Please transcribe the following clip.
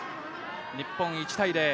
日本、１対０。